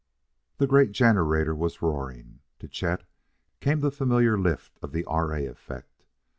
The great generator was roaring. To Chet came the familiar lift of the R. A. effect.